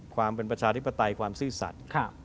ความเป็นประชาธิปไตยความซื่อสัตว์